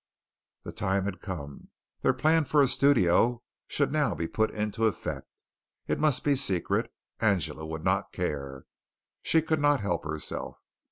The time had come. Their plan for a studio should now be put into effect. It must be secret. Angela would not care. She could not help herself.